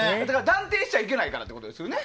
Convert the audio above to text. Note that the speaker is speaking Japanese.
断定しちゃいけないからっていうことですよね。